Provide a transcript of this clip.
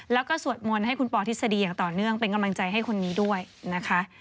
แล้วก็สวดมนต์ให้คุณปอทฤษฎีอย่างต่อเนื่องเป็นกำลังใจให้คนนี้ด้วยนะคะ